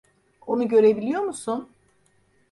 Onu görebiliyor musun?